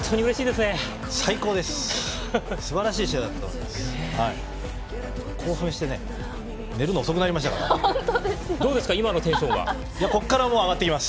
すばらしい試合だったと思います。